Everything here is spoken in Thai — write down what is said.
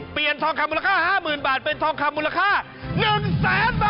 ทองคำมูลค่า๕๐๐๐บาทเป็นทองคำมูลค่า๑แสนบาท